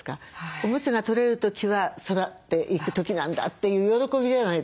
おむつが取れる時は育っていく時なんだという喜びじゃないですか。